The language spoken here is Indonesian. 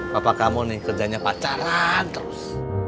bapak kamu nih kerjanya pacaran terus